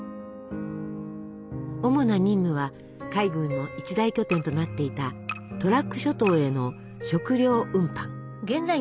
主な任務は海軍の一大拠点となっていたトラック諸島への食糧運搬。